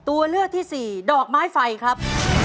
ตัวเลือกที่สี่ดอกไม้ไฟครับ